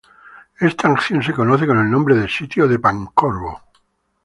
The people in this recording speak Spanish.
Esta acción se conoce con el nombre de "Sitio de Pancorbo".